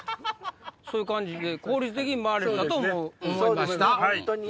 そういう感じで効率的に回れたと思いました。